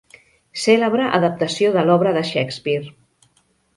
Cèlebre adaptació de l'obra de Shakespeare.